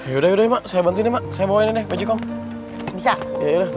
yuk yuk yuk